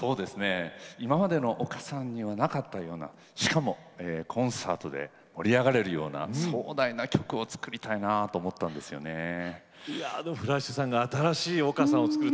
今までの丘さんにはなかったような、しかもコンサートで盛り上がれるような壮大な曲を作りたいなとフラッシュさんが新しい丘さんを作る。